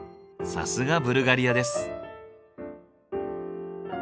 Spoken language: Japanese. さすがブルガリアです。